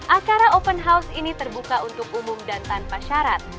akara open house ini terbuka untuk umum dan tanpa syarat